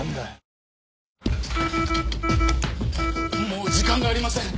もう時間がありません。